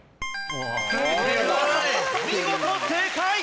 見事正解！